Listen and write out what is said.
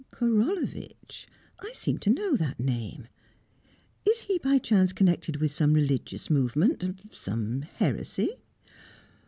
"Korolevitch? I seem to know that name. Is he, by chance, connected with some religious movement, some heresy?"